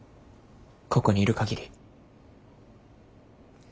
ここにいる限り。